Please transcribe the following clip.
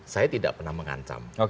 saya tidak pernah mengancam